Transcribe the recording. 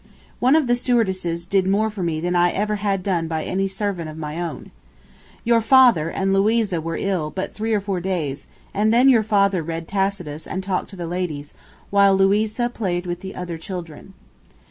One of the stewardesses did more for me than I ever had done by any servant of my own ... Your father and Louisa were ill but three or four days, and then your father read Tacitus and talked to the ladies, while Louisa played with the other children.